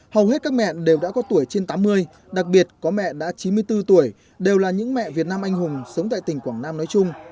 hầu hết các mẹ đều đã có tuổi trên tám mươi đặc biệt có mẹ đã chín mươi bốn tuổi đều là những mẹ việt nam anh hùng sống tại tỉnh quảng nam nói chung